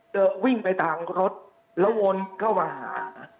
วิ่งไปทางรถแล้ววนเข้ามาหา